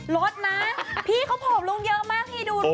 ลดนะพี่เขาผอบลุงเยอะมากพี่ดูลุงก่อน